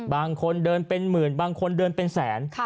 บางคนเดินเป็นหมื่นบางคนเดินเป็นแสน